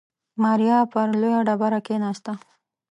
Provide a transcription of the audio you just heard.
ماريا پر لويه ډبره کېناسته.